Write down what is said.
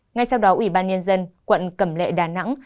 ngay sau đó ủy ban nhân dân quận cẩm lệ đà nẵng